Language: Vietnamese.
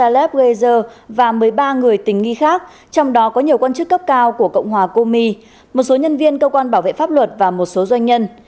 tòa án đã ra lệnh bắt giam ông vyacheslav gezer và một mươi ba người tình nghi khác trong đó có nhiều quan chức cấp cao của cộng hòa komi một số nhân viên cơ quan bảo vệ pháp luật và một số doanh nhân